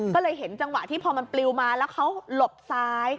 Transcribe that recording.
ก็เลยเห็นจังหวะที่พอมันปลิวมาแล้วเขาหลบซ้าย